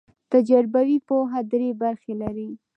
تجربوي پوهه درې برخې لري.